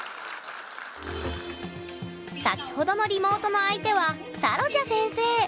先ほどのリモートの相手はサロジャ先生。